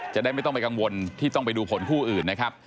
จะได้ไม่ต้องไปกังวลที่ต้องไปดูผลคู่อื่นนะครับ